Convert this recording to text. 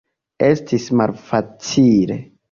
Estis malfacile.